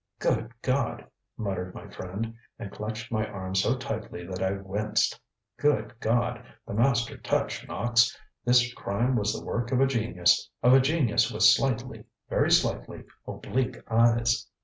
ŌĆ£Good God! ŌĆØ muttered my friend, and clutched my arm so tightly that I winced. ŌĆ£Good God! The master touch, Knox! This crime was the work of a genius of a genius with slightly, very slightly, oblique eyes.